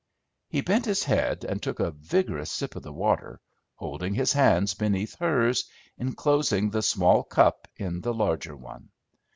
He bent his head, and took a vigorous sip of the water, holding his hands beneath hers, inclosing the small cup in the larger one.